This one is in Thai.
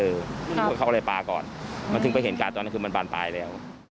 เพราะว่าเขาก็เลยปลาก่อนมันถึงไปเห็นการตอนนั้นคือมันบานปลายแล้ว